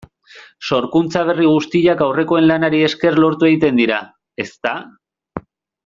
Sorkuntza berri guztiak aurrekoen lanari esker lortu egiten dira, ezta?